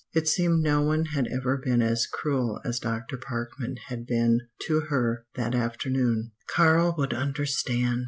It seemed no one had ever been as cruel as Dr. Parkman had been to her that afternoon. Karl would understand!